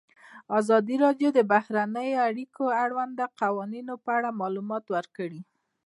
ازادي راډیو د بهرنۍ اړیکې د اړونده قوانینو په اړه معلومات ورکړي.